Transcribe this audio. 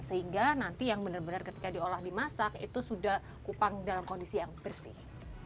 sehingga nanti yang benar benar ketika diolah dimasak itu sudah kupang dalam kondisi yang bersih